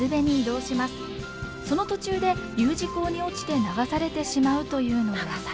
その途中でＵ字溝に落ちて流されてしまうというのです。